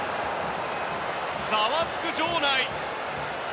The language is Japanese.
ざわつく場内。